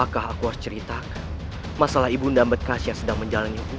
kanda tidak ada yang bisa mengobatinmu